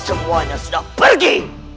semuanya sudah pergi